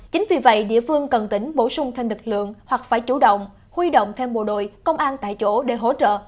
chính vì vậy địa phương cần tỉnh bổ sung thêm lực lượng hoặc phải chủ động huy động thêm bộ đội công an tại chỗ để hỗ trợ